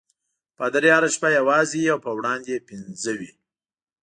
پادري هره شپه یوازې وي او په وړاندې یې پنځه وي.